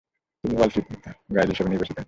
তিনি world chief guide হিসেবে নির্বাচিত হন।